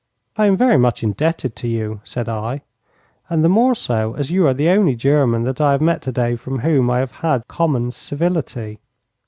'I am very much indebted to you,' said I, 'and the more so as you are the only German that I have met today from whom I have had common civility.'